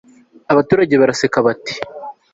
abaturage baraseka, bati